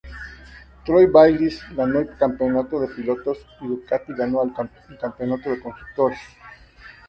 Troy Bayliss ganó el campeonato de pilotos y Ducati ganó el campeonato de constructores.